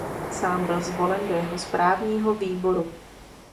Sám byl zvolen do jeho správního výboru.